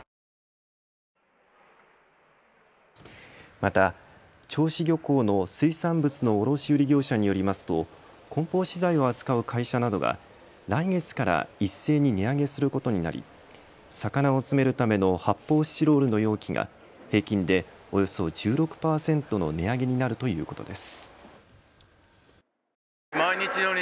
また、銚子漁港の水産物の卸売業者によりますとこん包資材を扱う会社などが来月から一斉に値上げすることになり魚を詰めるための発泡スチロールの容器が平均でおよそ１６％の値上げになるということです。